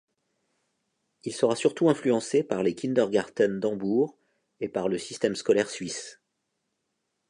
Il sera surtout influencé par les kindergartens d'Hambourg et par le système scolaire suisse.